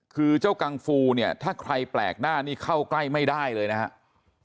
คือเจ้ากังฟูเนี่ยถ้าใครแปลกหน้านี่เข้าใกล้ไม่ได้เลยนะครับ